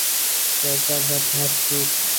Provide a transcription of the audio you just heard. کاف ءِ دپ ہشت بوت